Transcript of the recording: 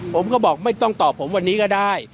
ผมก็บอกไม่ต้องตอบผมวันนี้ก็ได้